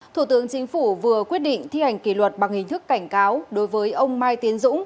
thủ tướng chính phủ vừa quyết định thi hành kỷ luật bằng hình thức cảnh cáo đối với ông mai tiến dũng